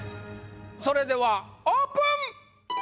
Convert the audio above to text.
それではオープン！